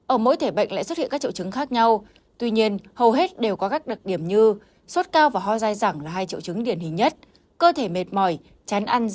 ở mỗi thể bệnh lại xuất hiện các triệu chứng khác nhau tuy nhiên hầu hết đều có các đặc điểm như sốt cao và ho dai rẳng là hai triệu chứng điển hình nhất